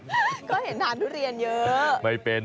ก็เห็นทานทุเรียนเยอะ